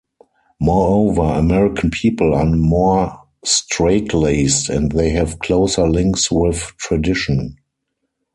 Moreover, American people are more straitlaced and they have closer links with tradition.